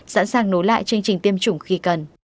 sẵn sàng nối lại chương trình tiêm chủng khi cần